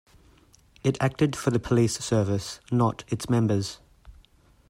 It acted for the police service, not its members.